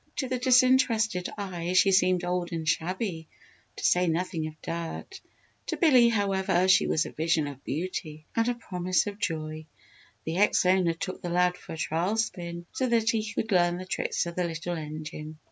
To the disinterested eye she seemed old and shabby, to say nothing of dirt. To Billy, however, she was a vision of beauty and a promise of joy. The ex owner took the lad for a trial spin so that he could learn the tricks of the little engine.